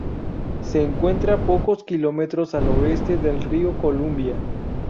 Se encuentra pocos kilómetros al oeste del río Columbia.